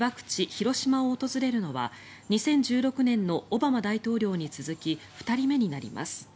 ・広島を訪れるのは２０１６年のオバマ大統領に続き２人目になります。